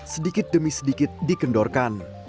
sedikit demi sedikit dikendorkan